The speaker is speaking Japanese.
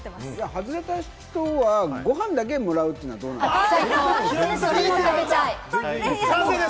外れた人はご飯だけをもらうというのはどうなんですか？